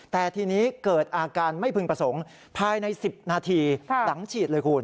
แต่ทีนี้เกิดอาการไม่พึงประสงค์ภายใน๑๐นาทีหลังฉีดเลยคุณ